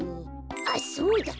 あっそうだ！